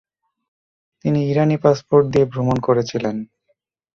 তিনি ইরানি পাসপোর্ট দিয়ে ভ্রমণ করেছিলেন।